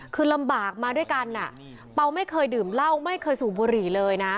คือลำบากมาด้วยกันเปล่าไม่เคยดื่มเหล้าไม่เคยสูบบุหรี่เลยนะ